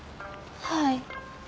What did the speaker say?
はい。